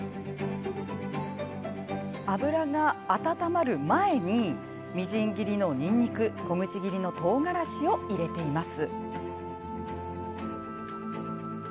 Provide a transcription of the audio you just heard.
油が温まる前にみじん切りのにんにく小口切りのとうがらしを入れています。